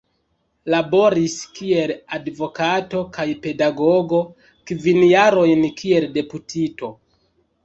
Laboris kiel advokato kaj pedagogo, kvin jarojn kiel deputito.